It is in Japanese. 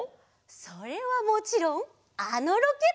それはもちろんあのロケットだよ。